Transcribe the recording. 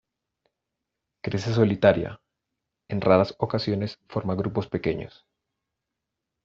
Crece solitaria, en raras ocasiones, forma grupos pequeños.